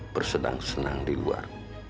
bersedang senang di luar